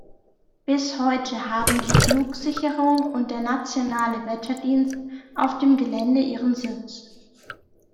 Bis heute haben die Flugsicherung und der nationale Wetterdienst auf dem Gelände ihren Sitz.